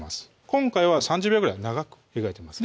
今回は３０秒ぐらい長く湯がいてます